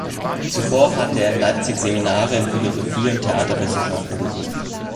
Zuvor hatte er in Leipzig Seminare in Philosophie und Theaterwissenschaft besucht.